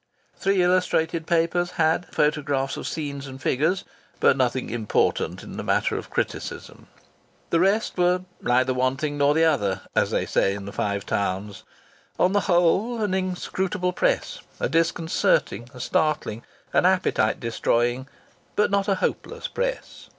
Three illustrated papers and photographs of scenes and figures, but nothing important in the matter of criticism. The rest were "neither one thing nor the other," as they say in the Five Towns. On the whole, an inscrutable press, a disconcerting, a startling, an appetite destroying, but not a hopeless press!